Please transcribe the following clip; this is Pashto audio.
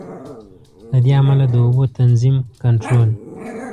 له دې امله د اوبو تنظیم، کنټرول.